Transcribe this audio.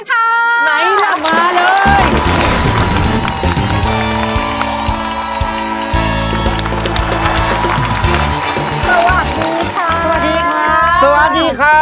สวัสดีค่ะ